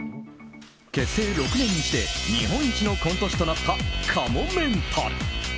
結成６年にして日本一のコント師となったかもめんたる。